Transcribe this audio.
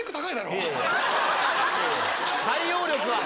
対応力は。